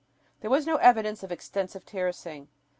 There was no evidence of extensive terracing.